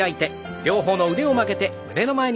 両方の腕を曲げて胸の前に。